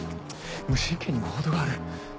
無神経にもほどがある。